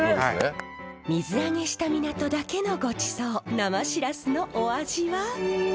水揚げした港だけのごちそう生シラスのお味は。